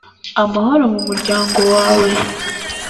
amahoro mu muryango wawe